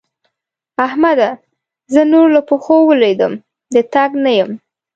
احمده! زه نور له پښو ولوېدم - د تګ نه یم.